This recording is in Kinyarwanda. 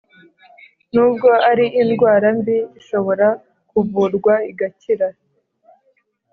n’ubwo ari indwara mbi, ishobora kuvurwa igakira